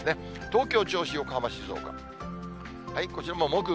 東京、銚子、横浜、静岡。